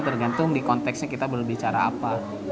tergantung di konteksnya kita berbicara apa